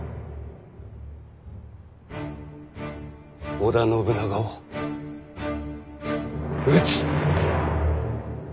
織田信長を討つ！